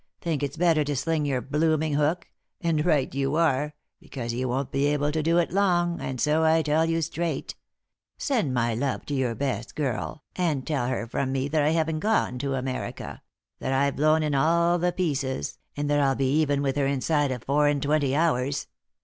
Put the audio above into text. Think it's better to sling your blooming hook— and right you are — because you won't be able to do it long, and so I tell you straight 1 Send my love to your 375 3i 9 iii^d by Google THE INTERRUPTED KISS best girl, and tell her from me that I haven't gone to America ; that I've blown in all the pieces, and that 111 be even with her inside of four and twenty hours.